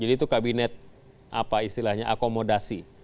jadi itu kabinet apa istilahnya akomodasi